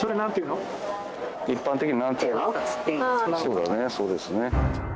そうだねそうですね。